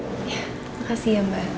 ya makasih ya mbak